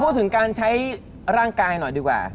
พูดถึงการใช้ร่างกายหน่อยดีกว่า